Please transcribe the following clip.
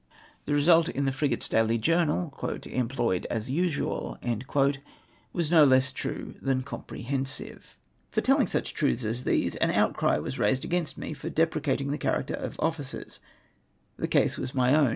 The MY OAVN CASE. 187 result in the frigates' daily journal, — "Employed as usital" was no less true than comprehensive. For telling such truths as these, an outcry was raised against me for depreciating the character of officers ! The case was my ow^n.